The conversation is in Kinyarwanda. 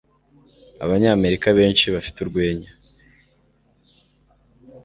Abanyamerika benshi bafite urwenya.